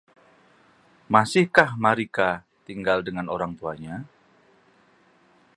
Masihkah Marika tinggal dengan orang tuanya?